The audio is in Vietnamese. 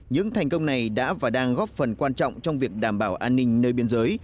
những thành công này đã và đang góp phần quan trọng trong việc đảm bảo an ninh nơi biên giới